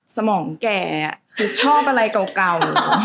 สมองแก่คือชอบอะไรเก่า